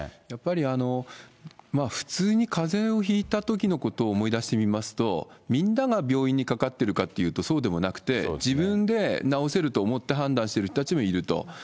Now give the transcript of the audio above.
やっぱり、普通にかぜをひいたときのことを思い出してみますと、みんなが病院にかかっているかっていうとそうでもなくて、自分で治せると思って判断している人たちもいると。